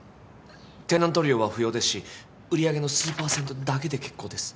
テナント料は不要ですし売り上げの数％だけで結構です。